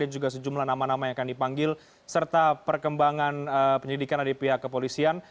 dan juga sejumlah nama nama yang akan dipanggil serta perkembangan penyelidikan dari pihak kepolisian